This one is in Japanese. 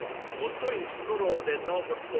［細いストローで飲むと？］